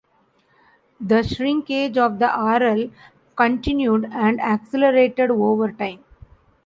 The shrinkage of the Aral continued and accelerated over time.